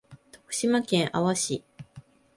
徳島県阿波市